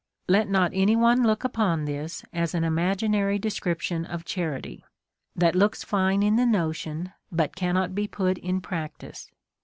'^ Let not any one look upon this as an imaginary de scription of charity, that looks fine in the notion, but ^■^•^^ ''''■'cannot be put in practice.